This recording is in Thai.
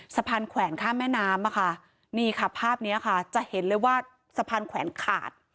แขวนข้ามแม่น้ำอะค่ะนี่ค่ะภาพนี้ค่ะจะเห็นเลยว่าสะพานแขวนขาด